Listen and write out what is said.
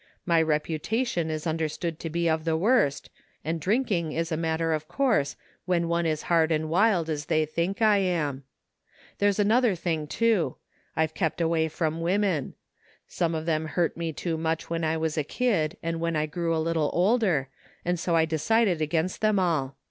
My reputation is tmderstood to be of the worst, and drink ing is a matter of course when one is hard and wild as they think I am. There's another thing, too. I've kept away from women. Some of them hurt me too much when I was a kid, and when I grew a little older, and so I decided against them all.